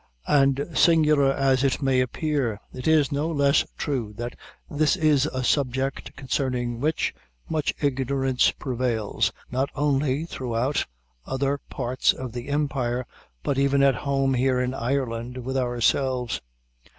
And singular as it may appear, it is no less true, that this is a subject concerning which much ignorance prevails, not only throughout other parts of the empire, but even at home here in Ireland, with ourselves.